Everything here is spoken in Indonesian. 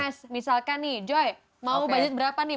mas misalkan nih joy mau budget berapa nih